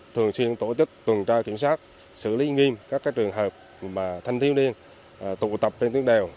thường xuyên tổ chức tuần tra kiểm soát xử lý nghiêm các trường hợp thanh thiếu niên tụ tập trên tuyến đèo